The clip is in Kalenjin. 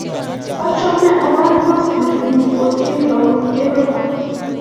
achame alany boskilii nyu kosir abun kelto.